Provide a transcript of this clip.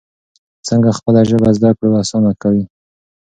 څنګه خپله ژبه زده کړه اسانه کوي؟